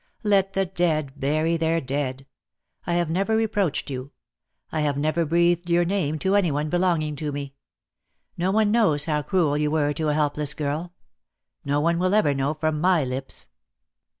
Let the dead bury their dead. I have never reproached you. I have never breathed your name to anyone belonging to me. No one knows how cruel you were to a helpless girl. No one will ever know from my lips.